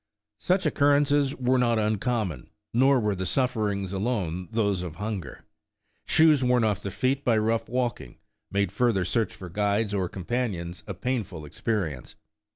Such occurrences were not uncommon, nor were the sufferings alone those of hunger. Shoes worn off the 96 Traversing the Wilderness feet by rough walking, made further search for guides or companions a painful experience.